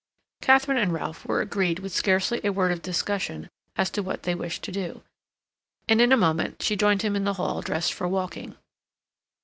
Katharine and Ralph were agreed with scarcely a word of discussion as to what they wished to do, and in a moment she joined him in the hall dressed for walking.